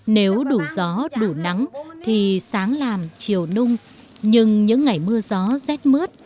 nếu đủ gió đủ nắng thì sáng làm chiều nung nhưng những ngày mưa gió rét mướt